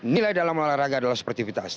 nilai dalam olahraga adalah sportivitas